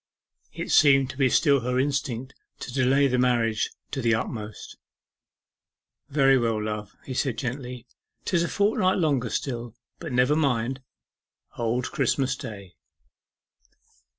It seemed to be still her instinct to delay the marriage to the utmost. 'Very well, love,' he said gently. ''Tis a fortnight longer still; but never mind. Old Christmas Day.